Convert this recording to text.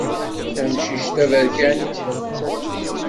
Tamcict taberkant.